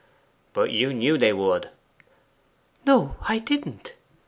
'But you knew they would.' 'No, I didn't.